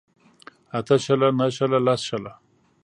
اته شله نهه شله لس شله